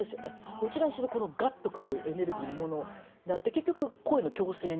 どちらにしろガッと来るエネルギーのものであって結局声の「嬌声」に。